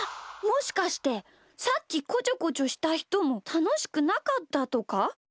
もしかしてさっきこちょこちょしたひともたのしくなかったとか？